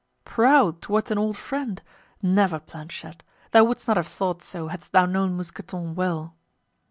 "Proud toward an old friend? never, Planchet! thou wouldst not have thought so hadst thou known Mousqueton well."